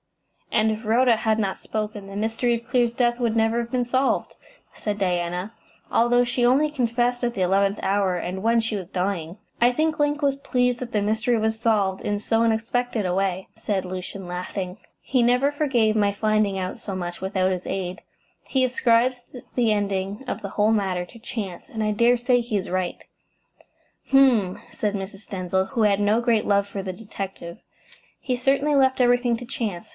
"And if Rhoda had not spoken, the mystery of Clear's death would never have been solved," said Diana, "although she only confessed at the eleventh hour, and when she was dying." "I think Link was pleased that the mystery was solved in so unexpected a way," said Lucian, laughing. "He never forgave my finding out so much without his aid. He ascribes the ending of the whole matter to chance, and I dare say he is right." "H'm!" said Mrs. Denzil, who had no great love for the detective. "He certainly left everything to chance.